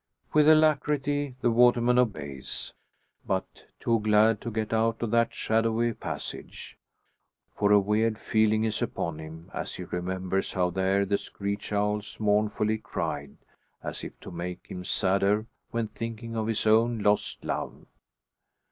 With alacrity the waterman obeys; but too glad to get out of that shadowy passage. For a weird feeling is upon him, as he remembers how there the screech owls mournfully cried, as if to make him sadder when thinking of his own lost love.